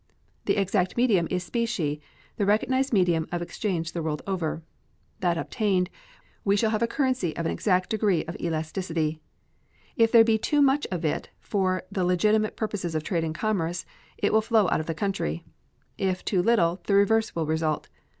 The exact medium is specie, the recognized medium of exchange the world over. That obtained, we shall have a currency of an exact degree of elasticity. If there be too much of it for the legitimate purposes of trade and commerce, it will flow out of the country. If too little, the reverse will result.